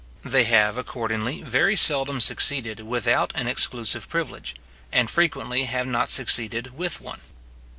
They have, accordingly, very seldom succeeded without an exclusive privilege; and frequently have not succeeded with one.